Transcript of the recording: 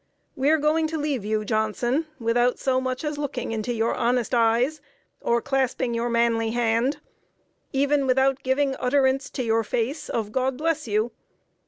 "We're going to leave you, Johnson, without so much as looking into your honest eyes, or clasping your manly hand even without giving utterance, to your face, of 'God bless you!'